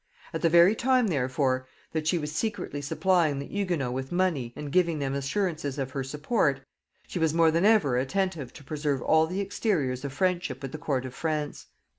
At the very time therefore that she was secretly supplying the Hugonots with money and giving them assurances of her support, she was more than ever attentive to preserve all the exteriors of friendship with the court of France.